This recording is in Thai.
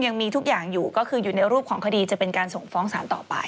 ยังมีทุกอย่างอยู่ก็คืออยู่ในรูปของคดีจะเป็นการส่งฟ้องสารต่อไป